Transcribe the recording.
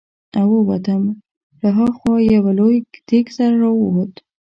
او ووتم، له ها خوا له یو لوی دېګ سره را ووت.